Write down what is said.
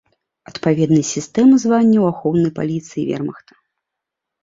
Адпаведнасць сістэмы званняў ахоўнай паліцыі і вермахта.